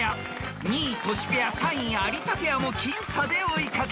［２位トシペア３位有田ペアも僅差で追いかける］